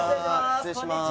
失礼します。